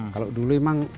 kalau dulu memang